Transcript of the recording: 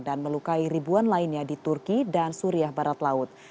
dan melukai ribuan lainnya di turki dan suriah barat laut